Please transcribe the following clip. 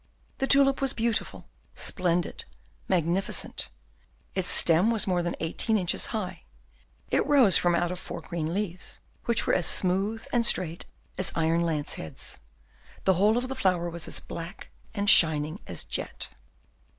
The tulip was beautiful, splendid, magnificent; its stem was more than eighteen inches high; it rose from out of four green leaves, which were as smooth and straight as iron lance heads; the whole of the flower was as black and shining as jet.